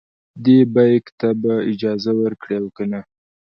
دې بیک ته به اجازه ورکړي او کنه.